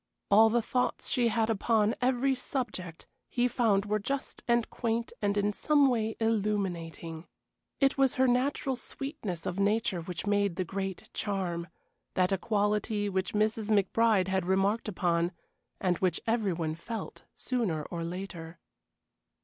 All the thoughts she had upon every subject he found were just and quaint and in some way illuminating. It was her natural sweetness of nature which made the great charm that quality which Mrs. McBride had remarked upon, and which every one felt sooner or later.